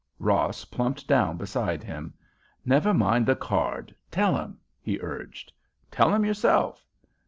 Ross plumped down beside him. "Never mind the card; tell 'em," he urged. "Tell 'em yourself."